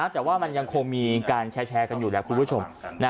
แต่ว่ามันยังคงมีการแชร์กันอยู่แล้วคุณผู้ชม